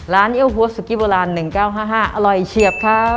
ร้านเอวหัวซุกี้โบราณ๑๙๕๕อร่อยเฉียบครับ